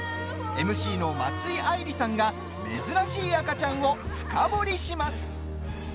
ＭＣの松井愛莉さんが珍しい赤ちゃんを深掘りします。